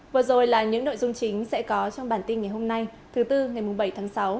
vừa rồi là những nội dung chính sẽ có trong bản tin ngày hôm nay thứ tư ngày bảy tháng sáu